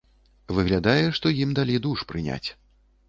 Выглядае, што ім далі душ прыняць.